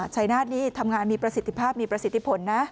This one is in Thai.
ชายนาฏนี่ทำงานมีประสิทธิภาพมีประสิทธิผลนะ